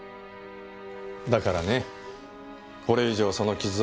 だからねこれ以上その傷を。